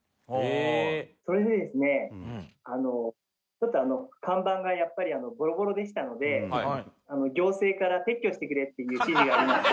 ちょっとあの看板がやっぱりボロボロでしたので行政から撤去してくれっていう指示がありまして」